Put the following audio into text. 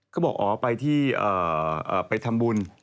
เขาบอกอ๋อไปที่ไปทำบุญ